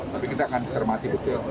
tapi kita akan cermati betul